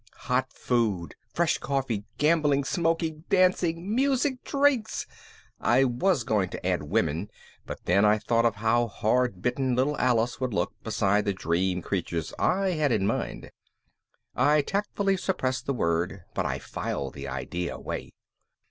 "Hot food! Fresh coffee! Gambling, smoking, dancing, music, drinks!" I was going to add women, but then I thought of how hard bitten little Alice would look beside the dream creatures I had in mind. I tactfully suppressed the word but I filed the idea away.